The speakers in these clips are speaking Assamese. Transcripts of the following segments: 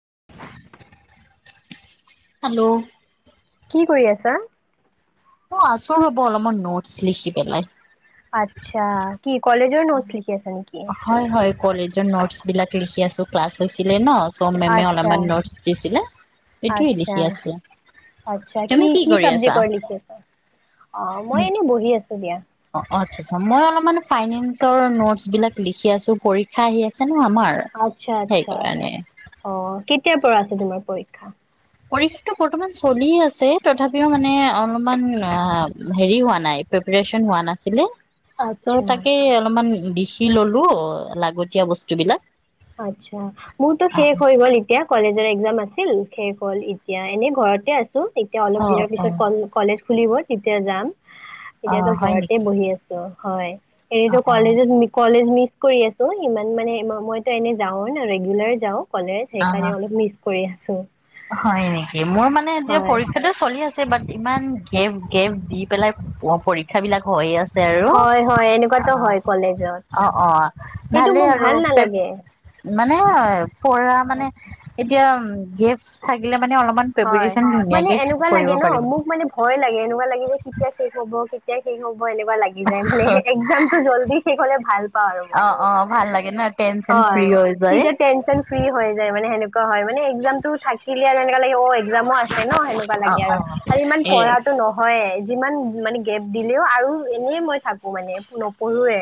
[inaudible] হেল্ল'? কি কৰি আছা? অ, আছো ৰব অলপমান নোটছ লিখি পেলাই। আত্ছা। হয়, হয় কলেজৰ নটচ বিলাক লিখি আছো। ক্লাছ হৈ-হৈছে। ন চম [unintelligible] মেমে আচ্ছা অলপমান নোটচ দিছিলে এইটোৱে আচ্ছা লিখি আছো আচ্ছা তুমি কি কৰি আছা? চাবজেক্টৰ লিখি আছা? শ [unintelligible] দিয়া। অ, আচ্ছা, আচ্ছা মই অলপমান ফাইনেন্সৰ নোটছ বিলাক লিখি আছো পৰীক্ষা আহি আছে। ন আমাৰ আচ্ছা, আচ্ছা, সেইকাৰণে অ, কেতিয়াৰ পৰা আছে তোমাৰ পৰীক্ষা? পৰীক্ষাতটো বৰ্তমান চলি আছে, তথাপিও মানে অলপমান হেৰি হোৱা নাই প্ৰিপচন হোৱা নাছিলে। ত' আচ্ছা তাকে অলপমান দিখি ললো লাগতিয়া বস্তু বিলাক আ‌মোৰতো শেষ হৈ গল এতিয়া কলেজৰ একজাম আছে আছিল শেষ হ'ল এতিয়া এনে ঘৰতে আছিল এতিয়া অলপ অ দিনৰ অ পিছত কলেজ খুলিব তেতিয়া যাম অ এতিয়াতো হয় ঘৰতে নেকি বহি আছো হয় অ এনেটো অ কলেজত কলেজ মি কৰি আছো ইমান মানে মই এনে যাও ন ৰেগুলাৰ যাওঁ কলেজ অ সেইকাৰণে অলপ মিচ কৰি চ' হয় নেকি মোৰ মানে এতিয়া পৰীক্ষাটো চলি আছে বাট ইমান গেফ গেফ দি পেলাই পৰীক্ষা বিলাক হৈয়ে আছে আৰু হয় হয় এনেকুৱাটো অ হয় কলেজত অ অ সেইটো ভালেই মোক আৰু ভাল পে নালাগে মানে পঢ়া মানে আচ্ছা এতিয়া গিফ্ট থাকিলে মানে অলপমান হয়, প্ৰিপেৰেচন মানে ধুনীয়াকে এনেকুৱা কৰিব লাগে ন পাৰিম ', মোক মানে ভয় লাগে এনেকুৱা লাগে যে কেতিয়া শেষ হব কে, কেতিয়া শেষ হব। মোৰ এনেকুৱা লাগি যায় মানে একজামতো জল্দি শেষ হ'লে ভাল পাও আৰু মই অ অ সেনেকুৱা। ভাল লাগে ন টেনচন ফ্ৰী হয়, হৈ যায় তেতিয়া তেনচন ফ্ৰী হয় যায় মানে সেনেকুৱা হয় মানে একজামতো থাকিলে, মোৰ একযাম আছে ন', সনেকুৱা অ লাগে অ আৰু ইমান এ পঢ়াটো নহয়ে, যিমান, মানে গেপ দিলেও আৰু এনেই মই থাকো মানে নপঢ়োৱে।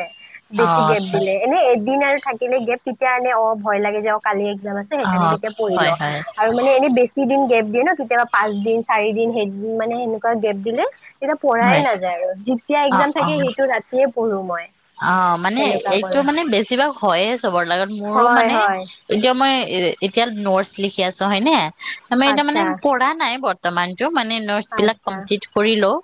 অ বেছি গেপ আচ্ছা দিলে এনে একদিন আৰ, থাকিলে গেপ তেতিয়া এনে অ ', ভয় লাগে যে অ ', কালি একজাম আছে অ সেইকাৰণে তেতিয়া পঢ়ি হয় লও, হয় আৰু মানে এনে বেছি, দিন গেপ দিয়ে ন', কেতিয়াবা পাঁচ দিন চাৰি দিন সেইদিন মানে সেনেকুৱা গেপ দিলে, তেতিয়া পঢ়াই হয় নাযায় আৰু যেতিয়া অ এক্জাম অ থাকে সেইটো ৰাতিয়ে পঢ়ো মই। অ ', মানে সেনেকুৱা এইটো কৰো মানে বেছিভাগ হয়য়ে চবৰে লগত মোৰো হয় মানে হয় এতিয়া মই, এ ', এতিয়া নটচ লিখি আছ হয়নে? আমি তাৰমানে আচ্ছা পঢ়া নাই বত, তমান - মানে নটচ বিলাক আচ্ছা কমপ্লিট কৰি লও,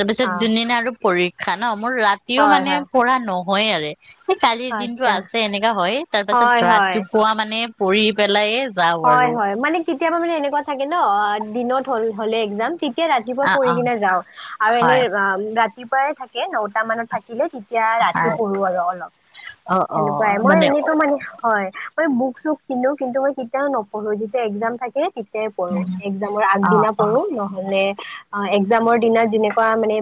তাৰপিছত অ' যোনদিনা আৰু প, খানা, মোৰ ৰাতিও হয় মানে, হয় নহৈয়েৰে। এই কালিৰ দিনতটো আচ্ছা আছে এনেকা হয়, তাৰ পাছত হয় হয় ৰাতিপুৱা মানে, পঢ়ি পেলাই এ ', - হয় -হয় মানে কেতিয়াবা মানে এনেকুৱা -নেকুৱা থাকে ন', দিনত হল- হলে এক্জাম। তেতিয়া ৰাতিপুৱা অ পঢ়ি অ কিনে যাওঁ আৰু এনে হয় ৰা, ৰাতিপুৱাই থাকে নটা মানত থাকে। থাকিলে তেতিয়া ৰাতি হয় পঢ়ো আৰু অলপ অ অ সেনেকুৱাই মই এনেতো মানে হয়, মই বুক-চুক কিনো কিন্তু মই, কেতিয়াও নপঢ়ো যেতিয়া একজাম থাকে, তে পঢ়োঁ একজামৰ অ আগদিনা অ পঢ়ো, নহলে একজামৰ দিনত যেনেকুৱা মানে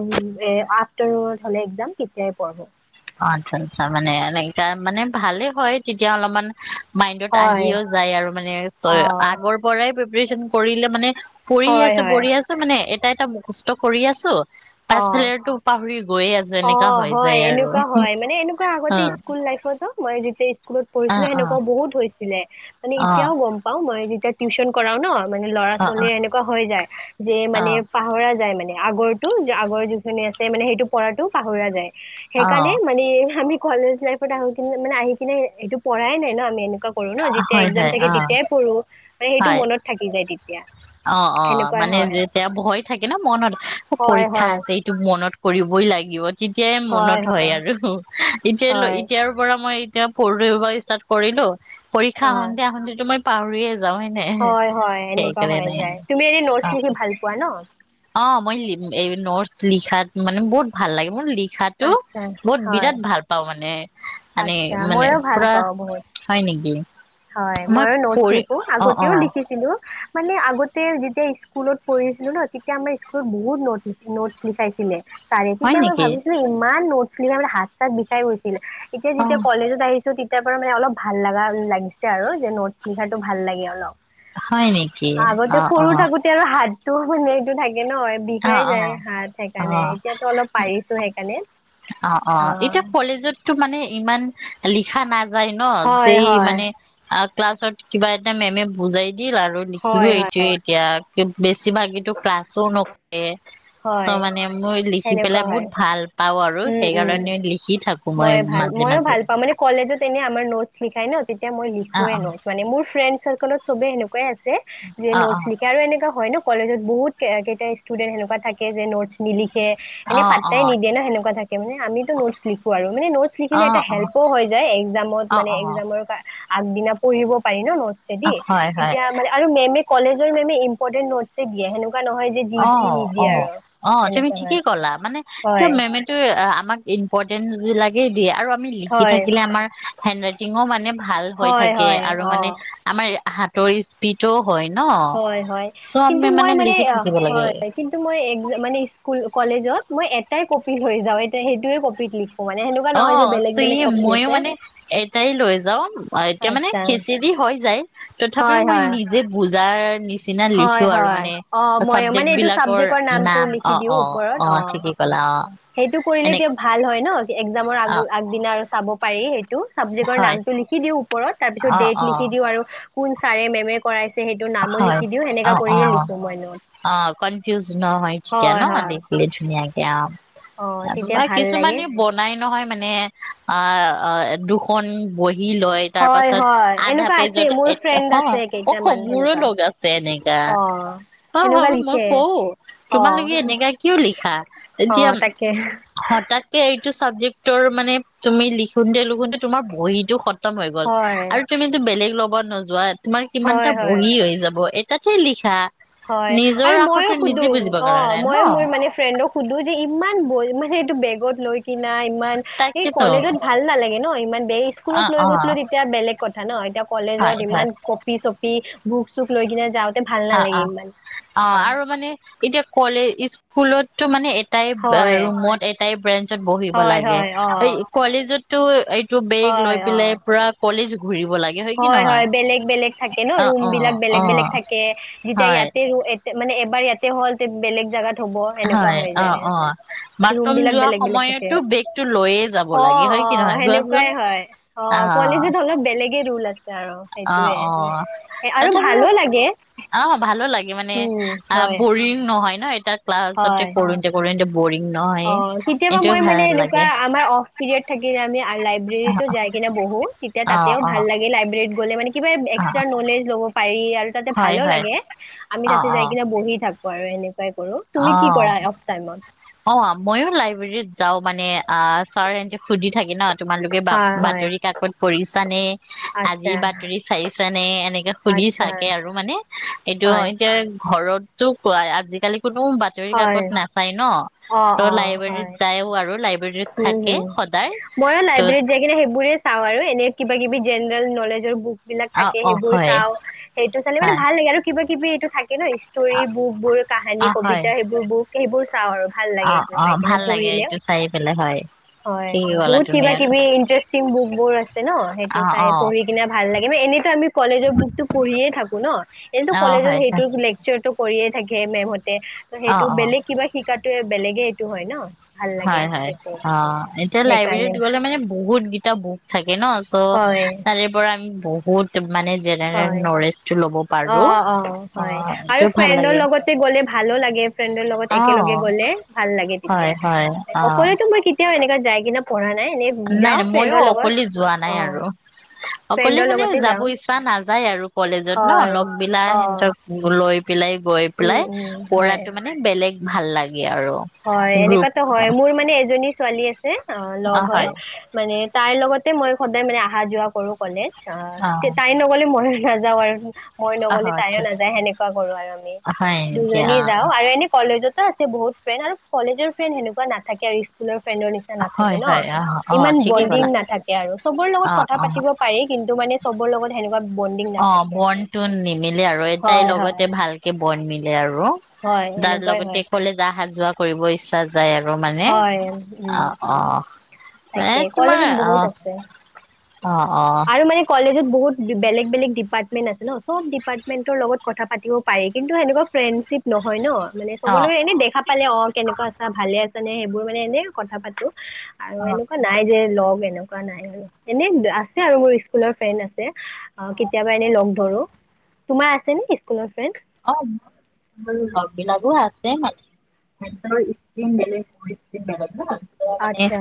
এ', আফটাৰনুনত হলে একজাম তেতিয়াই পঢ়ো। অ ', আচ্ছা -আচ্ছা মানে এনেকা মানে ভালে হয়, তেতিয়া অলপমান, মাইণ্ডত হয় আহিও যায় আৰু মানে চ, অ' আগৰ পৰাই, ৰিভিছন কৰিলে মানে পঢ়ি হয় আছো, হয় পঢ়ি আছো মানে, তাই এটা মুখস্থ কৰি আছো। পাছফালে অ', তো পাহৰি গৈয়ে আছে অ হয় এনেকুৱা মানে এনেকুৱা আগতে অ', স্কুল লাইফতো মই যেতিয়া স্কুলত প়িছিলো অ', সেনেকুৱা অ', বহুতছিল ে [inaudible] মানে অ', এতিয়াও গম পাও মই এয়া টিউশন কৰাও ন মানে ল'ৰা অ', ছোৱালীৰ এনেকুৱা হৈ যায় যে মানে অ', পাহৰা যায় মানে আগৰটো আগৰ যিখিনি আছে মানে সেইটো পৰাটো পাহৰি যায় সেইকাৰণে অ', অ', মানে আমি কলেজ লাইফত আহো কিনে মানে আহি কিনে এইটোপঢ়াই নাই ন আমি এনেক কৰো ন যেতিয়া হয় একজাম হয় থাকে অ', তেতিয়াই পঢো মান সেইটো হয়। মনত থাকি যায় তেতিয়া অ অ সেনেকুৱাই মানে হয় যেতিয়া ভয় থাকে ন মনত হয় পৰীক্ষা হয় আছে সটো মনত কৰিবই লাগিব তেতিয়াই মনত হয় আৰু হয় এতিয়া লৈ হয় এতিয়াৰ পৰা মই এতিয়া পৰ ষ্টাৰ্ট কৰিলো পৰীক্ষা হয় সন্ধিয়া সুধো মই পাহৰি হয় হয় এনে যায় তুমি এনে নটছ লিখি ভাল পোৱা ন অ মই এই নোটছ লিখাত মানে বহুত ভাল লাগে মোৰ লিখ লিখাটো আচ্ছা বহুত হয় বিৰাট ভাল পাওঁ মানে মানে আচ্ছা মানে ময়ো ভাল পুৰা পাওঁ বহুত হয় নেকি হয় মই ময় নোটছ পঢ়ি লিখো অ অ আগতেও লিখিছিলো মানে আগতে যেতিয়া স্কুলত পঢ়িছিলো ন তেতিয়া আমাৰ স্কুলত বহুত ন নোটছ লিখাইছিলে তাৰে হয় তেতিয়া মই নেকি ভাবিছিলো ইমান ন হাত চাত বিষাই গৈছে ছিল এতিয়া অ যেতিয়া কলেজত আহি তো তেতিয়াৰ পৰা মানে অলপ ভাল লাগা লাগিছ ছে আৰু যে নোটছ লিখাটো ভাল লাগে অলপ। হয় নেকি আ, অ আগতে অ সৰু থাকোতে আৰু হাত তোৰ মানে এইটো থাক কে নহয় অ বিষাই অ যায় হাত সেইকাৰণে অ এতিয়াতো অলপ পাৰিছোঁ সেইকাৰণে। অ', অ', এতিয়া কলেজত টো মানে ইমান লিখা নাই। যায় ন' হয় যেই হয় মানে আ ক্লাছত কিবা এটা মেমে বুজাই। দিল আৰু লিখিলো হয় এইটোৱে হয় এতিয়া। কে বেছ ছি ভাগেটো ক্লাছো নক এ চ' হয় মানে মোৰ লিখি সেনেকুৱা পেলাই হয় বহুত ভাল পাওঁ আৰু উম, উম, সেইকাৰণে লিখি থাকো মই ভাল মাজে ময়ো মাজে ভাল পাওঁ মানে কলেজত এনে আমাৰ নোটছ লিখাই ন'। তেতিয়া মই অ লিখোৱে ন'টজ মানে মোৰ ফ্ৰেণ্ড চাৰ্কলত চবে এনেকুৱাই আছে। যে অ অ নোটচ নিলিখে আৰু এনেকা হয় ন। কলেজত বহুত কেইতা [unintelligible] ইষ্টুদেন্ত সেনেকুৱা। থাকে যে নোটছ নিলিখে। থে অ এনেই অ অ পাত্তাই নিদিয়ে ন সেনেকুৱা থাকে। এনেই আমিতো নোটছ লিখো আৰু, মানে নোটছ লিখিলে, অ এটা হেল্পো হৈ যায় একজামত অ অ মানে অ একজামৰ। আগদিনা পঢ়িব পাৰি ন। অ থেদি হয় হয় তেতিয়া মানে আৰু মেমে, কলেজৰ মেম এ ইম্পৰ্টেট নটছে দিয়ে হেনো। নহয় যে জি অ', তি [unintelligible] অ অ তুমি ঠিকেই কলা, মানে ত হয় মেমে টো আমাক ইম্পৰ্টেন্ঞ্চ বিলাকে দিয়ে আৰু, আমি লিখি হয় থাকিলে আমাৰ হেণ্ড ৰাইটিঙও মানে ভাল হৈ হয় থাকে, হয় আৰু মানে অ আমাৰ হাতৰ স্পীডো। হয় ন হয় হয় কিন্তু চনমে মই মানে লিখি থাকিব লাগে। হয় কিন্তু মই এক মানে স্কুল কলেজত মই এক এটাই কপি লে যাও এতিয়া সেইয়ে কপিত লিখো মানে সেনেকুৱা অ নহয় যে বেলেগ চি বেলেগ কপি মইয়ো আছে মানে এটাই লৈ যাও এতিয়া মানে আচ্ছা খিচিৰি হৈ যায় হয় তথাপিও মই হয় নিজে বুজ যাৰ নিশ্চ নিচিনা হয় লিখো আৰু হয় মানে অ মই চাবজেক্ট মানে এইটো বিলাকৰ চাবজেক্টৰ নামটো নাম লিখি অ দিওঁ অ ওপৰত অ ঠিকেই কলা অ সেইটো কৰিলে এনে এতিয়া ভাল হয় ন একজামৰ আগ অ', আগদিনা আৰু চাব পাৰি সেইটো টো চাবজেক্ট হয় নামটো লিখি দিও ওপৰত তাৰ পিছত অ', ডেট অ'। লিখি দিও আৰু চাৰে মেমে কৰাইছে সেইটো নামো হয় লিখি দিওঁ অ সেনেকা অ কৰিয়ে লিখো মই নোট অ কনফিউজ নহয় তেতিয়া হয় ন হয় দেখিলে ধুনীয়া এ অ তেতিয়া মাৰ ভাল লাগে কিছুমানে বনাই নহয় মানে আ অ দুখন বৈ লয় তাৰ হয় পাছত হয় আধা এনেকুৱা আছে পেজত মোৰ এ ফ্ৰেণ্ড অসম আছে কেইটামান মোৰো সেনেকুৱা লগ আছে এনেকা অ অ সেনেকুৱা হব মই লিখে কওঁ অ তোমালোকে এনেকা কিয় লিখা অ এতিয়া তাকে হঠাৎকে এইটো চাবজেক্ট মানে তুমি লিখোতে লিখোতে তোমাৰ বহিটো [unintelligible] হৈ গল হয় আৰু তুমিতো বেলেগ লগ ব নোযোৱাত তোমাৰ কিমান হয় এটা হয় বহি হৈ যাব এ তাতে লিখা হয় নিজৰ আৰু ময়ো আখৰটো সুধো নিজে বুজিব অ কাৰণে ন মই মোৰ মানে ফ্ৰেণ্ডক সুধো যে ইমান বল মানে বেগত লৈ কিনা ইমান এই তাকেতো কলেজত ভাল নালাগে ন ইমান অ স্কুলত লৈ অ গৈছিলো তেতিয়া বেলেগ কত জা ন এতিয়া কলেজত হয় হয় ইমান কপি চপি ভোক চোক লৈ কিনে যা ভাল অ নালাগে অ ই অ আৰু মানে এতিয়া কলেজ স্কুলতটো মানে এ এটাই হয় ৰুমত এটাই ব্ৰেঞ্চত বহিব হয় লাগে হয় অ কলেজত টো এই টো বেগ হয় লৈ অ পেলাই পুৰা কলি যুগ। [unintelligible] হয়, হয় বেলেগ বেলেগ থাকে ন অ ৰুম অ বিলাক অ বেলেগ বেলেগ থাকে। যেতিয়া হয় ইয়াতে মানে এবাৰ ইয়াতে হ'ল বেলেগ জেগাত। হয়, অ'অ' ৰুম বাথৰুম বিলাক যোৱা বেলেগ বেলেগ থাকে সময়তো বেগটো লৈয়ে যাব অ লাগে অ হয় কি নহয় সেনেকুৱাই কোৱাচোন। হয় অ কলেজত অলপ অ' বেলেগে ৰুল আছে। আৰু অ' সেইটোয়ে অ' এ- আৰু তথাপিও ভালো লাগে অ ভালো লাগে মানে উম আ হয় বৰিং নহয়। নাই এ তাত ক্লাছতে হয় কৰোতে কৰো। অ' কেতিয়াবা মই মানে এনেকুৱা লাগে আমাৰ অফ পিৰিয়ড থাকিলে আমি লাইব্ৰেৰীতো যাই কিনে বহো তেতিয়া অ তাতেও অ ভাল লাগে লাইব্ৰেৰীত। গলে মানে। কিবা অ এক্সট্ৰা নলেজ ল'ব পাৰি। আৰু তাতে হয় ভালো হয় লাগে, আমি অ তাতে অ যাই কিনে বহি থাকো। পাৰোনে? ট্ৰাই কৰো, তুমি কি কৰা অফ টাইমত? অ অ', মইও লাইব্ৰেৰীত যাওঁ মানে। অ। [unintelligible] সুধি থাকে ন, তোমালোকে হয় হয় বাতৰি কাকত পঢ়িছানে? আজি আচ্ছা বাতৰি চাইছানে? এনেকে সুধি আচ্ছা থাকে আৰু মানে এইটো হয় এতিয়া। ঘৰতো পায় আজিকালি। কোনো বাতৰি হয় কাকত নাচায় ন। অ অ ত'লাইব্ৰেৰীত হয় যায়ও আৰু। [unintelligible] হম থাকে হুম, সদায় ময়ো ত লাইব্ৰেৰীত যাই কিনে সেইবোৰে। চাওঁ আৰু এনে কিবা কিবি জেনেৰেল নলেজৰ বুক। বিলাক অ থাকে অ সেইবোৰ হয় চাও। সেইটো চালে মানে হয় ভাল লাগে আৰু কিবা। কিবি এইটো থাকে। ন ষ্টৰী বুক বোৰ, কাহানী, অ হয় কবিতা সেইবোৰ বুক সেইবোৰ। চাওঁ আৰু। ভাল লাগে অ', এইটো অ। চাই কিনে ভাল লাগে পঢ়িলে এইটো চাই পেলাই। হয় হয়, ঠিকেই ক'লা বহুত তুমি কিবা আৰু কিবি ইন্টাৰেষ্টিং বুক বোৰ আছে ন। সেইটো অ চাই অ পঢ়ি কিনে ভাল লাগে মানে, এনেতো আমি কলেজৰ বুকতো পঢ়িয়ে থাকো ন এনেটো অ কলেজত হয় হয় সেইটো লেকচাৰটো। কৰিয়ে থাকে মেমহ তে, ত' অ সেইটো অ বেলেগ কিবা শিকা বেলেগে এইটো হয় ন? ভাল লাগে হয়, হয়। সেইটো অঁ, এতিয়া সেইকাৰণে লাইব্ৰেৰীত গ'লে মানে বহুত কেইটা বুক থাকে ন চ' হয় তাৰে পৰা [unintelligible] বহুত মানে জেনেৰেল হয়, নলেজটো ল'ব অ পাৰো ', অ, হয় আৰু এইটো ভাল ফ্ৰেণ্ডৰ লাগে লগতে গ'লে ভালো লাগে, ফ্ৰেণ্ডৰ লগত অ একেলগে গ'লে ভাল লাগে হয় তেতিয়া। হয় অ অকলেতো মই কেতিয়াও এনেকা যাই কিনে পঢ়া নাই। এনে নাই, যাওঁ নাই মইও ফ্ৰেণ্ডৰ লগত অকলে যোৱা নাই অ' আৰু, অকলে ফ্ৰেণ্ডৰ মানে লগতে যাব যাওঁ ইচ্ছা [unintelligible] নাযায় আৰু কলেজত ন, হয় লগ বিলা অ' সিহতক লৈ পেলাই গৈ উম পেলাই উম হয় পৰাটো মানে বেলেগ ভাল লাগে আৰু। হয় গ্ৰুপ এনেকুৱাতো হয়, মোৰ মানে এজনী ছোৱালী আ আছে, লগ হয় মানে তাইৰ লগত তে মই সদায় মানে আহা যোৱা কৰো কলেজ আটছা অ তে তাই নগ 'লে মইও নাযাওঁ আৰু মই অ নগলে তাইও আচ্ছা আচ্ছা নাযায় সেনেকুৱা কৰো আৰু আমি হয় নেকি দুজনী অ যাও আৰু এনে কলেজত [unintelligible] বহুত ফ্ৰেন্ড আৰু কলেজৰ ফ্ৰেণ্ড সেনেকোৱা নাথাকে আৰু স্কুলৰ ফ্ৰেণ্ডৰ নিচিনা নাথাকে হয় ন হয় অ অ ইমান ঠিকেই বন্দিং ক'লা নাথাকে আৰু চবৰ লগত অ কথা পাতিব পাৰি কিন্তু মানে চবৰ লগত হে অঁ বন্দটো নিমিলে আৰু এটাই হয় হয় লগতে ভালকে বন্দ মিলে আৰু। হয় আৰু দাৰ এনেকুৱাই হয় লগতে কলেজ আহা যোৱা কৰিব ইচ্ছা যায় আৰু মানে, হয় উম অঁ-অঁ। তাকে, কলেজত বহুত আছে অ অ আৰু মানে কলেজত বহুত বেলেগ বেলেগ ডিপাৰ্টমেন্ট আছে ন চব ডিপাৰ্টমেন্টৰ লগত কথা পাতিব পাৰি, কিন্তু সেনেকুৱা ফ্ৰেণ্ডশ্বিপ নহয় ন। মানে অ চবৰ লগত এনে দেখা পালে অঁ কেনেকুৱা আছা, ভালে আছ মানে সেইবোৰ মানে এনে কথা পাতো আৰু এনেকুৱা নাই যে লগ এনেকুৱা নাই আৰু এনে আছে আৰু মোৰ স্কুলৰ ফ্ৰেণ্ড আছে অ কেতিয়াবা এনে লগ ধৰো তোমাৰ আছে নেকি স্কুলৰ ফ্ৰেণ্ড অ মোৰ লগ বিলাকো আছে মানে ন মানে আচ্ছা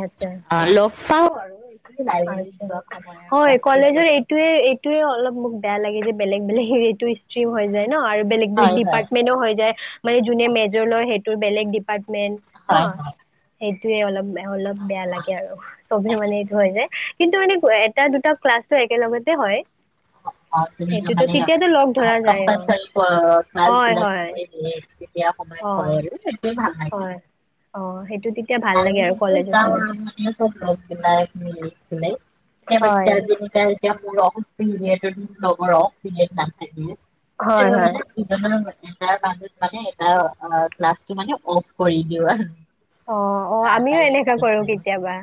অ ল পাওঁ আৰু এইটোৱে লাইব্ৰেৰীত আছা যোৱা সময়ত হয় অফ কলেজৰ পিৰিয়ডত এইটোয়ে এইটোৱে অলপ মোক বেয়া লাগে যে বেলেগ বেলেগ হৰিটো ষ্ট্ৰিম হৈ যায় ন আৰু বেলেগ বেলেগ হয় হয় ডিপাৰ্টমেনো হৈ যায় মানে যোনে মেজৰ লয় বেলেগ ডিপা [unintelligible] মেইন হয় হয় ন সেই অলপ অলপ বেয়া লাগে আৰু চবে মানে এইটো হয় যে কিন্তু মানে এটা দুটা ক্লাছটো একেলগতে হয় ু সেইটোতো মানে তেতিয়াতো লগ ধৰা যায় ক্প অ হয় হয় বিলাকতিয়া [unintelligible] সময় অ হয় আৰু সেইটোৱে হয় অ সেইটো তেতিয়া ভাল নাই ম লাগে আৰু কলেজত যান ম নি হয় বতি আজি নিক মোৰৰ নাথাকে হয় ম হয় ন এটাৰ মাজত মানে এটা ক্লাছটো মানে অফ কৰি দিও আৰু অ অ আমিও এনেকা কৰো কেতিয়াবা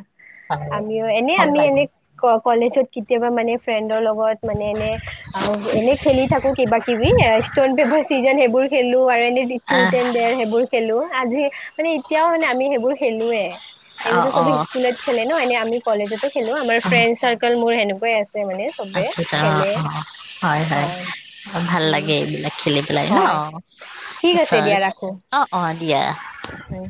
আমিও এনে ভাল আমি লাগে এনে ক কলেজত কেতিয়াবা মানে ফ্ৰেণ্ড লগত মানে এনে অ এনে খেলি থাকো কিবা কিবি ষ্টন পেপাৰ চিজন সেইবোৰ খেলো আৰু এনে থ্ৰুট আহ এন দেৰ সেইবোৰ খেলো আজি মানে এতিয়াও মানে আমি সেইবোৰ খেলোয়ে অ এনেটো অ চবে স্কুলত খেলে ন এনে আমি কলেজতো খেলো আমাৰ অ ফ্ৰেণ্ড চাৰ্ মোৰ সেনেকুৱাই আছে মানে চবে আচ্ছা আচ্ছা অ খেলে অ হয় ভাল উ লাগে এইবিলাক খেলি পেলাই ন হয় ঠিক আচ্ছা অ অ ম দিয়া উ